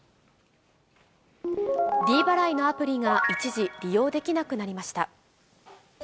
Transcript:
ｄ払いのアプリが一時利用できなくなりました。